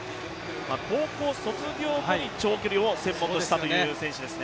高校卒業後に長距離を専門とした選手ですね。